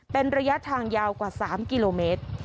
เป็นระยะทางยาวกว่า๓กิโลเมตร